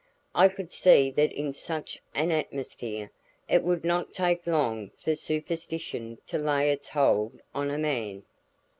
I could see that in such an atmosphere, it would not take long for superstition to lay its hold on a man.